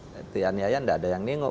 dianiaya tidak ada yang nginggup